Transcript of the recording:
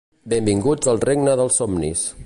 Benvinguts al regne dels somnis.